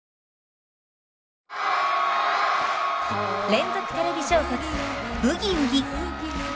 連続テレビ小説「ブギウギ」。